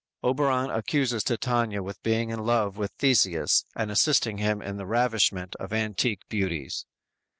"_ Oberon accuses Titania with being in love with Theseus and assisting him in the ravishment of antique beauties.